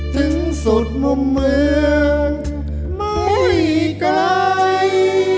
ถึงสุดมุมเมืองไม่ไกล